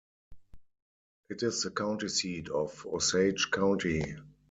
It is the county seat of Osage County.